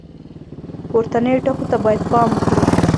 پورتنیو ټکو ته باید پام وکړو.